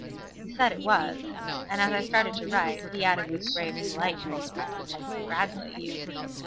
He said it was; and as I started to write, he added with grave politeness, "I congratulate you."